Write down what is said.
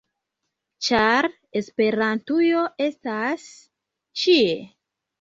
- ĉar Esperantujo estas ĉie!